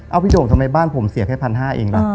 เอาพี่โด่งทำไมบ้านผมเสียแค่๑๕๐๐เองล่ะ